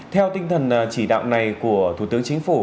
theo tinh thần chỉ đạo này của thủ tướng chính phủ